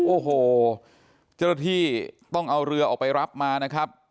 โอ้โหเจ้าหน้าที่ต้องเอาเรือออกไปรับมานะครับ